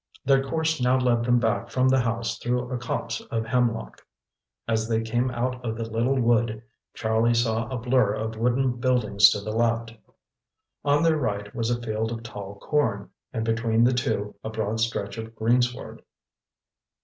Their course now led them back from the house through a copse of hemlock. As they came out of the little wood, Charlie saw a blur of wooden buildings to the left. On their right was a field of tall corn, and between the two, a broad stretch of greensward.